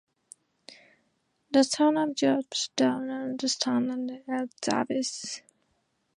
The son of Joseph Donaldson and Elizabeth Wallis, he was born in Brandon, Manitoba.